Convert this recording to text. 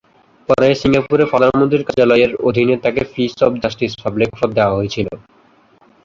পরে, সিঙ্গাপুরে প্রধানমন্ত্রীর কার্যালয়ের অধীনে তাকে পিস অব জাস্টিস পাবলিক পদ দেওয়া হয়েছিল।